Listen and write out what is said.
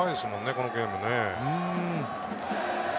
このゲームね。